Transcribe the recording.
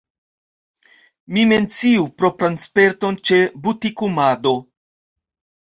Mi menciu propran sperton ĉe butikumado.